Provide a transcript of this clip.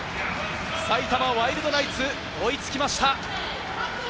埼玉ワイルドナイツ、追いつきました！